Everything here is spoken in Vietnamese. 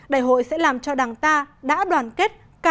đại hội sẽ làm cho đảng ta đã đoàn kết